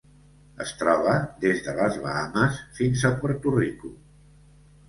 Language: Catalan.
Es troba des de les Bahames fins a Puerto Rico.